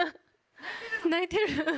・泣いてるの？